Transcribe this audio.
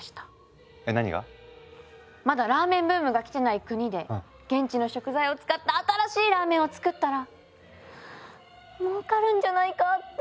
まだラーメンブームが来てない国で現地の食材を使った新しいラーメンを作ったらもうかるんじゃないかって。